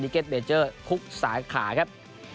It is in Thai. คุกสาขาครับ